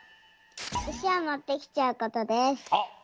石を持ってきちゃうことです。